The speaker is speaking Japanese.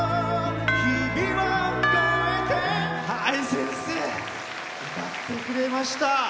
先生、歌ってくれました。